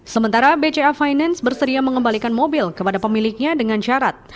sementara bca finance bersedia mengembalikan mobil kepada pemiliknya dengan syarat